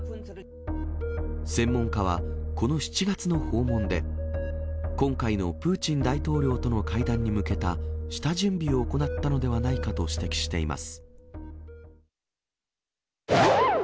専門家は、この７月の訪問で、今回のプーチン大統領との会談に向けた下準備を行ったのではないかと指摘しています。